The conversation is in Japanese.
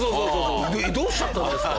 どうしちゃったんですか？